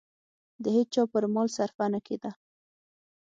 د هېچا پر مال صرفه نه کېده.